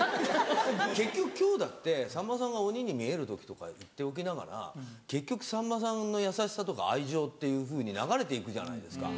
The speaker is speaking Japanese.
結局今日だってさんまさんが鬼に見える時とか言っておきながら結局さんまさんの優しさとか愛情っていうふうに流れて行くじゃないですか。